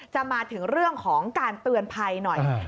มาถึงเรื่องของการเตือนภัยหน่อย